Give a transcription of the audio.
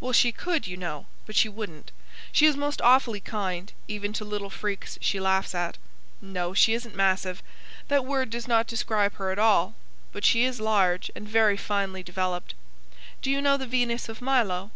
"Well, she could, you know; but she wouldn't. She is most awfully kind, even to little freaks she laughs at. No, she isn't massive. That word does not describe her at all. But she is large, and very finely developed. Do you know the Venus of Milo?